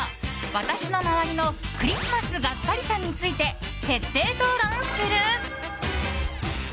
私の周りのクリスマスガッカリさんについて徹底討論する。